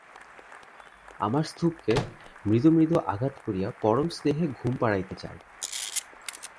আমার স্তূপকে মৃদু মৃদু আঘাত করিয়া পরম স্নেহে ঘুম পাড়াইতে চায়।